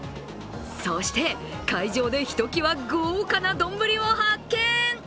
そして、会場でひときわ豪華などんぶりを発見！